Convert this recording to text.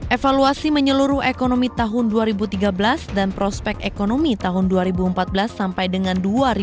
evaluasi menyeluruh ekonomi tahun dua ribu tiga belas dan prospek ekonomi tahun dua ribu empat belas sampai dengan dua ribu dua puluh